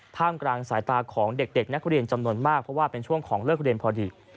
กลางสายตาของเด็กนักเรียนจำนวนมากเพราะว่าเป็นช่วงของเลิกเรียนพอดี